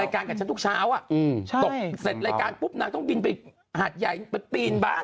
ลายการที่ทุกเช้าอ่ะอะโปรดเสร็จแล้วการปุ๊บเนอะต้องนี่ที่หาดใหญ่เป็นปีนบ้าน